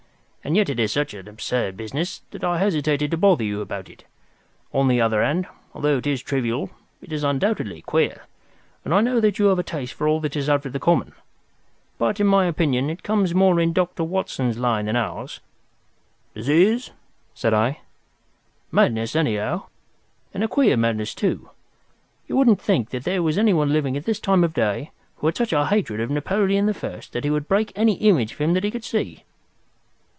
And yet it is such an absurd business, that I hesitated to bother you about it. On the other hand, although it is trivial, it is undoubtedly queer, and I know that you have a taste for all that is out of the common. But, in my opinion, it comes more in Dr. Watson's line than ours." "Disease?" said I. "Madness, anyhow. And a queer madness, too. You wouldn't think there was anyone living at this time of day who had such a hatred of Napoleon the First that he would break any image of him that he could see."